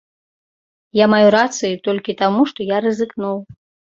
Я маю рацыю толькі таму, што я рызыкнуў.